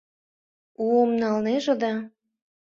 Уым налнеже да...